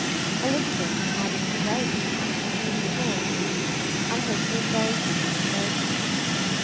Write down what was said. Elizabeth has just had a very good account of the three little boys. I hope you are very busy and very comfortable.